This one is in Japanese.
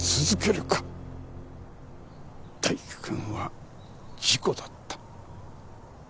泰生君は事故だった。